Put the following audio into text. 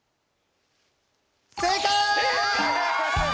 正解！